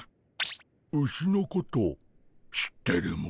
ウシのこと知ってるモ？